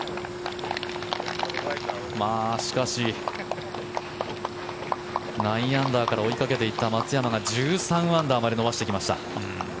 しかし、９アンダーから追いかけて行った松山が１３アンダーまで伸ばしてきました。